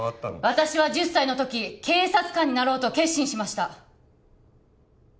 私は１０歳のとき警察官になろうと決心しました